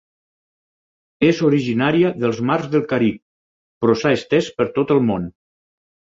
És originària dels mars del Carib però s'ha estès per tot el món.